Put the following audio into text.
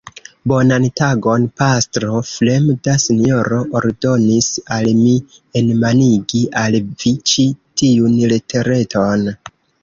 Bonan tagon, pastro; fremda sinjoro ordonis al mi enmanigi al vi ĉi tiun letereton.